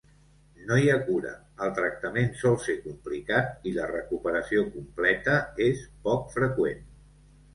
No hi ha cura, el tractament sol ser complicat i la recuperació completa és poc freqüent.